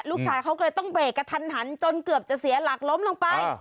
ลูกชายเขาก็เลยต้องเบรกกระทันหันจนเกือบจะเสียหลักล้มลงไป